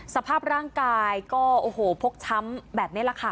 สภาพร่างกายก็โอ้โหพกช้ำแบบนี้แหละค่ะ